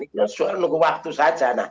ya soal nunggu waktu saja